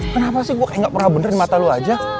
kenapa sih gue kayak gak pernah benerin mata lu aja